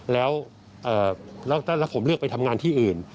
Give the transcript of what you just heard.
แล้วผมเลือกไปทำงานที่อื่น